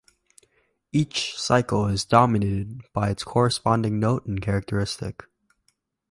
Each cycle is dominated by its corresponding note and characteristic.